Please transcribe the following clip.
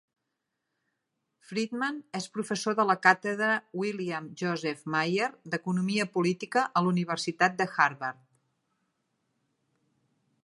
Friedman és professor de la càtedra William Joseph Maier d'economia política a la Universitat de Harvard.